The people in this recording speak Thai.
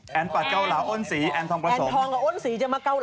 เข้ากับนักละละครอยู่ด้วยกันไม่ใช่เหรอ